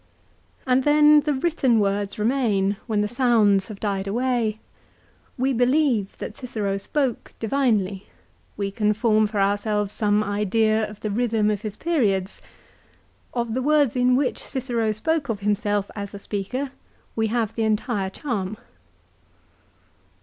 And then the written words remain when the sounds have died away. We believe that Cicero spoke divinely. We can form for ourselves some idea of the rhythm of his periods. Of the words in which Cicero spoke of himself as a speaker we have the entire charm.